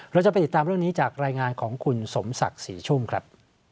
เราจะไปติดตามเรื่องนี้จากรายงานของคุณสมศักดิ์ศรีชุ่มครับ